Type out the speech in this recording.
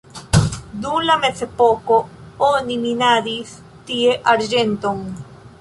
Dum la mezepoko oni minadis tie arĝenton.